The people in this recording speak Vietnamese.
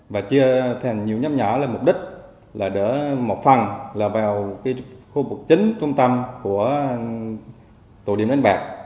và chia thành nhiều nhóm nhỏ lên mục đích là để một phần là vào khu vực chính trung tâm của tụ điểm đánh bạc